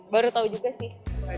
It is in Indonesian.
baru tau juga sih